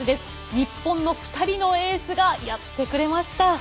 日本の２人のエースがやってくれました。